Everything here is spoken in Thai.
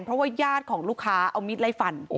เพราะว่าญาติของลูกค้าเอามีดไล่ฟัน